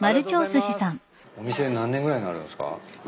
お店何年ぐらいになるんすか？